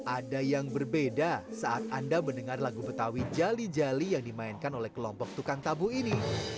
ada yang berbeda saat anda mendengar lagu betawi jali jali yang dimainkan oleh kelompok tukang tabu ini